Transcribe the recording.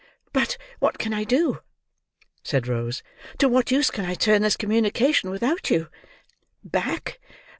"But what can I do?" said Rose. "To what use can I turn this communication without you? Back!